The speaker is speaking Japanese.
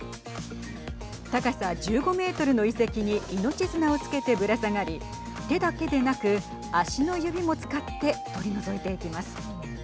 高さ１５メートルの遺跡に命綱をつけてぶら下がり手だけでなく足の指も使って取り除いていきます。